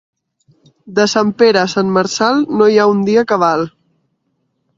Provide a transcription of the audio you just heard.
De Sant Pere a Sant Marçal no hi ha un dia cabal.